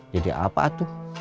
jadi apa tuh